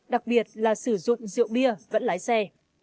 đặc biệt là sử dụng rượu bia vẫn lái xe